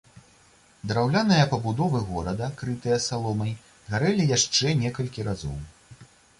Драўляныя пабудовы горада крытыя саломай гарэлі яшчэ некалькі разоў.